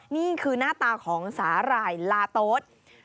นี่คือหน้าตาของสาหร่ายลาโต๊ด